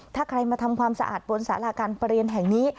ถ้าใครมาทำความสะอาดบนสาราการประเรียนแห่งนี้